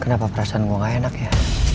kenapa perasaan gue gak enak ya